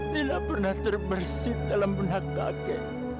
tidak pernah terbersih dalam benak kakek